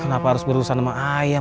kenapa harus berurusan sama ayam